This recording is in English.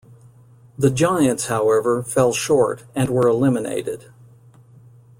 The Giants, however, fell short, and were eliminated.